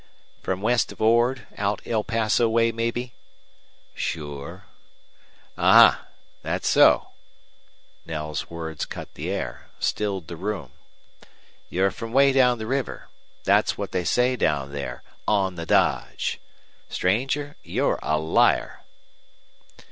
"From west of Ord out El Paso way, mebbe?" "Sure." "A huh! Thet so?" Knell's words cut the air, stilled the room. "You're from way down the river. Thet's what they say down there 'on the dodge.'... Stranger, you're a liar!"